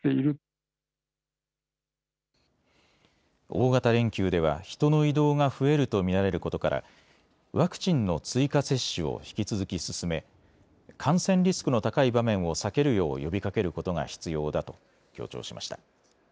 大型連休では人の移動が増えると見られることからワクチンの追加接種を引き続き進め感染リスクの高い場面を避けるよう呼びかけることが必要だと強調しました。